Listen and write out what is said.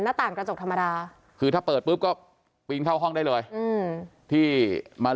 หน้าต่างกระจกธรรมดาคือถ้าเปิดปุ๊บก็ปีนเข้าห้องได้เลยอืมที่มา